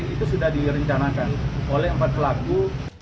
itu sudah direncanakan oleh empat pelaku